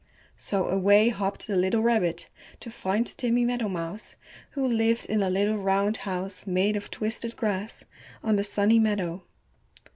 So away hopped the little rabbit to find Timmy Meadowmouse, who lived in a little round house made of twisted grass on the Sunny Meadow.